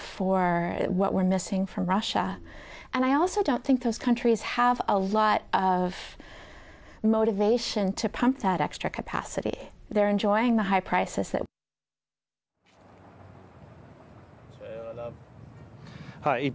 はい。